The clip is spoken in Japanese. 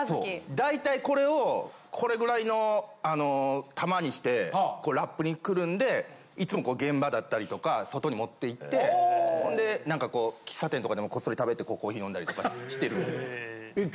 だいたいこれをこれぐらいの玉にしてラップにくるんでいつも現場だったりとか外に持って行ってほんでなんかこう喫茶店とかでもこっそり食べてコーヒー飲んだりとかしてるんで。